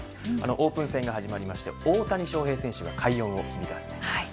オープン戦が始まりまして大谷翔平選手が快音を響かせています。